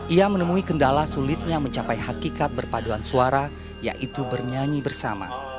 ia menemui kendala sulitnya mencapai hakikat berpaduan suara yaitu bernyanyi bersama